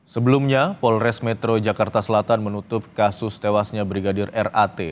sebelumnya polres metro jakarta selatan menutup kasus tewasnya brigadir rat